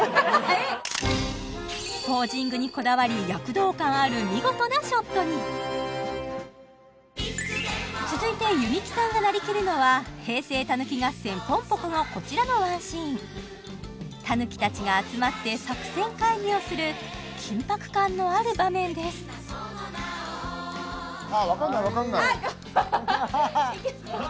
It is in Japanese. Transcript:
ポージングにこだわり躍動感ある見事なショットに続いて弓木さんがなりきるのは「平成狸合戦ぽんぽこ」のこちらのワンシーンタヌキたちが集まって作戦会議をする緊迫感のある場面ですわかんないわかんないいいね！